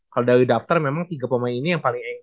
kalau dari daftar memang tiga pemain ini yang paling